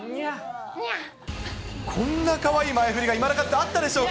こんなかわいい前振りがいまだかつてあったでしょうか。